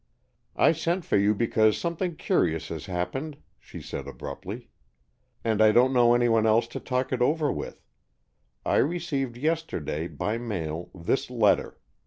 "I sent for you because something curious has happened," she said abruptly, "and I don't know anyone else to talk it over with. I received yesterday, by mail, this letter."